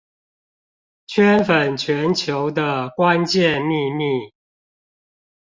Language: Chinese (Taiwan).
圈粉全球的關鍵秘密